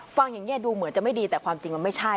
ฟังอย่างนี้ดูเหมือนจะไม่ดีแต่ความจริงมันไม่ใช่